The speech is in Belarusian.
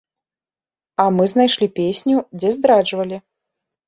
А мы знайшлі песню, дзе здраджвалі.